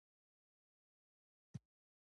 د رسالې ډېره برخه مشهورو علماوو ته وقف ده.